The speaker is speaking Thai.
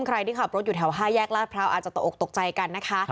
ใครที่ขับรถอยู่แถว๕แยกลาดพร้าวอาจจะตกออกตกใจกันนะคะ